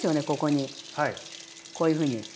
ここにこういうふうに。